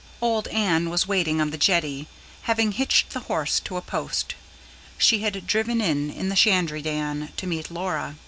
Old Anne was waiting on the jetty, having hitched the horse to a post: she had driven in, in the 'shandrydan', to meet Laura.